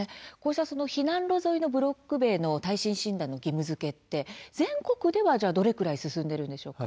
避難路沿いのブロック塀の耐震診断の義務づけは全国ではどのくらい進んでいるんでしょうか。